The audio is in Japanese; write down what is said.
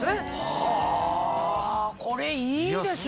はぁこれいいですね。